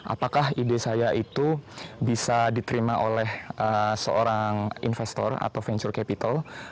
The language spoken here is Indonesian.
apakah ide saya itu bisa diterima oleh seorang investor atau venture capital